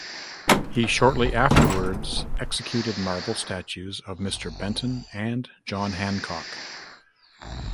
He shortly afterwards executed marble statues of Mister Benton and John Hancock.